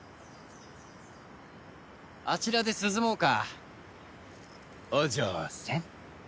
あちらで涼もうかお嬢さん。